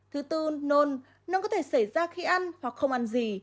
thứ tư nôn nó có thể xảy ra khi ăn hoặc không ăn gì